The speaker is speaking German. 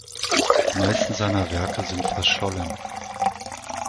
Die meisten seiner Werke sind verschollen.